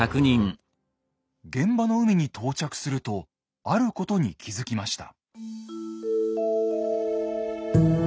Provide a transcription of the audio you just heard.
現場の海に到着するとあることに気付きました。